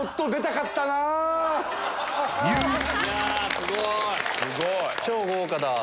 すごい！